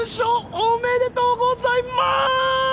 おめでとうございまーす！